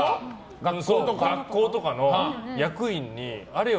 学校とかの役員にあれよ